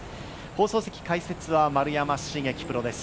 放送席、解説は丸山茂樹プロです。